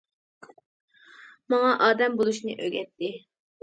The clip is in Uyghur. ماڭا ئادەم بولۇشنى ئۆگەتتى.